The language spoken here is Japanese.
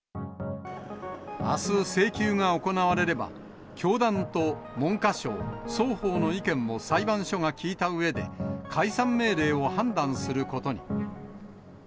あす請求が行われれば、教団と文科省、双方の意見を裁判所が聞いたうえで、解散命令を判断することに。